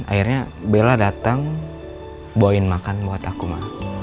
akhirnya bela dateng bawa makan buat aku ma